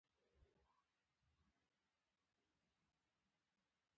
د احمد دوی د باغ ځمکه کېنستې ده.